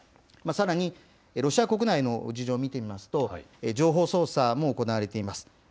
さらに、ロシア国内の事情を見てみますと、情報操作も行われています。